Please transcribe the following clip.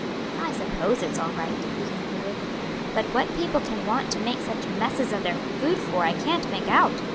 "I suppose it's all right," he concluded; "but what people can want to make such messes of their food for I can't make out.